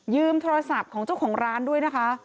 โทรศัพท์ของเจ้าของร้านด้วยนะคะ